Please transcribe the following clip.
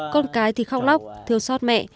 con cái thì khóc lóc thiêu sót mẹ